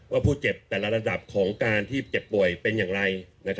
ผู้เจ็บแต่ละระดับของการที่เจ็บป่วยเป็นอย่างไร